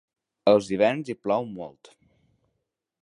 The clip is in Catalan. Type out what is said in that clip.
Als hiverns hi plou molt.